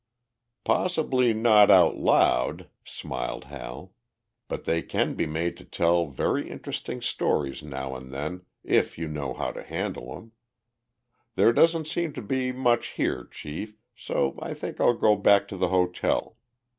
"Possibly not out loud," smiled Hal. "But they can be made to tell very interesting stories now and then, if you know how to handle 'em. There doesn't seem to be much here, Chief, so I think I'll go back to the hotel.